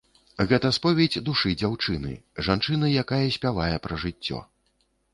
Гэта споведзь душы дзяўчыны, жанчыны, якая спявае пра жыццё.